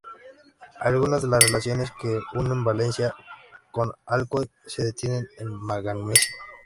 Algunas de las relaciones que unen Valencia con Alcoy se detienen en Algemesí.